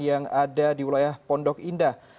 yang ada di wilayah pondok indah